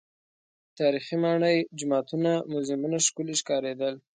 تاریخي ماڼۍ، جوماتونه، موزیمونه ښکلي ښکارېدل.